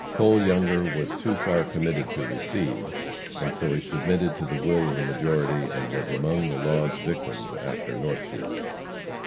Cole Younger was too far committed to recede, and so he submitted to the will of the majority, and was among the law's victims after Northfield.